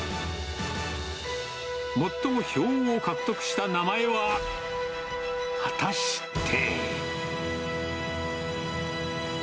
最も票を獲得した名前は、果たして。